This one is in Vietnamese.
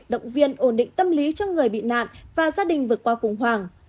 động viên ổn định tâm lý cho người bị nạn và gia đình vượt qua khủng hoảng